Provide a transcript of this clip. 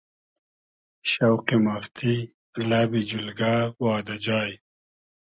شۆقی مافتی، لئبی جولگۂ وادۂ جای